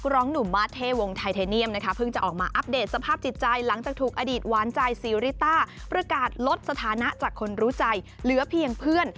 ริต้าประกาศลดสถานะจากคนรู้ใจเหลือเพียงเพื่อน